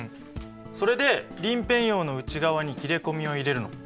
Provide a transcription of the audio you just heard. それで鱗片葉の内側に切れ込みを入れるの。